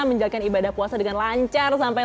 menjalankan ibadah puasa dengan lancar sampai